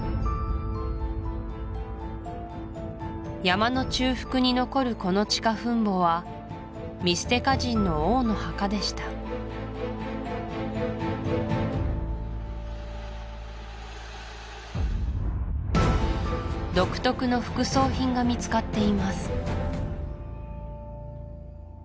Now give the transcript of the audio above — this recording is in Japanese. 山の中腹に残るこの地下墳墓はミステカ人の王の墓でした独特の副葬品が見つかっています